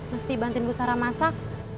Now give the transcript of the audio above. mesti bantuin gue sarah masak